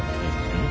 うん？